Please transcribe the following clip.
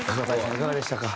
いかがでしたか？